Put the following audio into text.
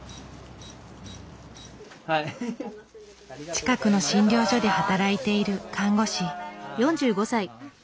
近くの診療所で働いている看護師。